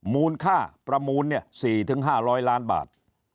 มูลค่าประมูล๔๕๐๐ล้านบาท